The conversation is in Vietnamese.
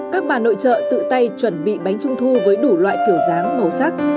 các bà nội trợ tự tay chuẩn bị bánh trung thu với đủ loại kiểu dáng màu sắc